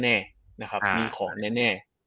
นะครับมีของแน่